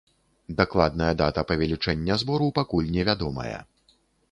Дакладная дата павелічэння збору пакуль невядомая.